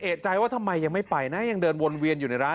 เอกใจว่าทำไมยังไม่ไปนะยังเดินวนเวียนอยู่ในร้าน